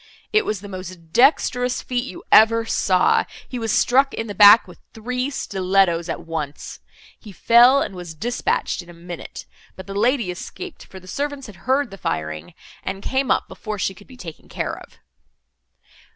It was the most dexterous feat you ever saw—he was struck in the back with three stillettos at once. He fell, and was dispatched in a minute; but the lady escaped, for the servants had heard the firing, and came up before she could be taken care of.